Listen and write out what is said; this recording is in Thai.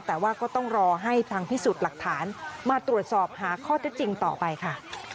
แต่ว่าก็ต้องรอให้ทางพิสูจน์หลักฐานมาตรวจสอบหาข้อเท็จจริงต่อไปค่ะ